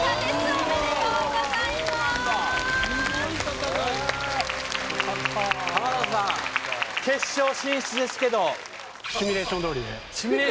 おめでとうございます・すごい戦い・よかった田さん決勝進出ですけどシミュレーションどおり？